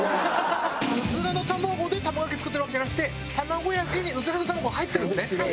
うずらの卵で卵焼き作ってるわけじゃなくて卵焼きにうずらの卵が入ってるんですね。